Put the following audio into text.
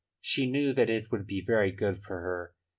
She knew that it would be very good for her.